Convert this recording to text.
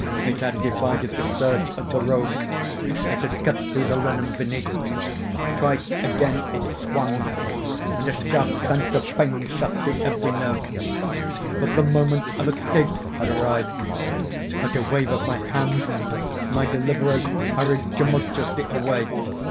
It had divided the serge of the robe. It had cut through the linen beneath. Twice again it swung, and a sharp sense of pain shot through every nerve. But the moment of escape had arrived. At a wave of my hand my deliverers hurried tumultuously away.